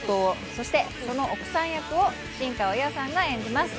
そしてその奥さん役を新川優愛さんが演じます。